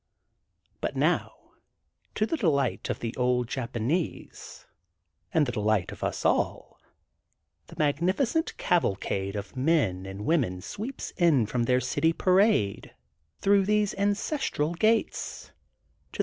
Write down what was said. But now, to the delight of the old Japanese, and the delight of us all, the magnificent cavalcade of men and women sweeps in from their city parade through these ancestral gates, to the!